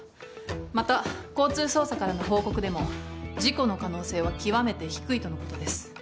また交通捜査からの報告でも事故の可能性は極めて低いとのことです。